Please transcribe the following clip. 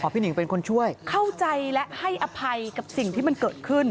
หนิงเป็นคนช่วยเข้าใจและให้อภัยกับสิ่งที่มันเกิดขึ้น